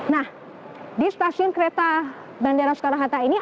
nah di stasiun kereta bandara soekarno hatta ini